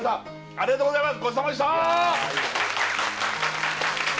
ありがとうございます